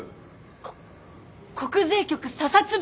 こ国税局査察部！？